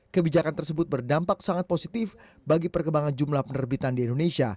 kebijakan tersebut berdampak sangat positif bagi perkembangan jumlah penerbitan di indonesia